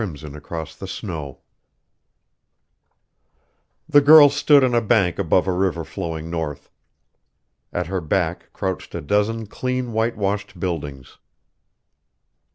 CONJUROR'S HOUSE Chapter One The girl stood on a bank above a river flowing north. At her back crouched a dozen clean whitewashed buildings.